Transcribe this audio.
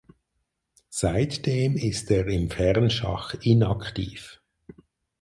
Seitdem ist er im Fernschach inaktiv.